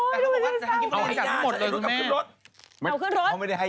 เขาเร็วเข้าจะยิงเขาจะยิงเข้าประตูเพื่อนนี่